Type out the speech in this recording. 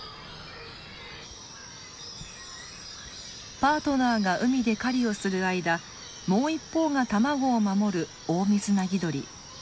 パートナーが海で狩りをする間もう一方が卵を守るオオミズナギドリ。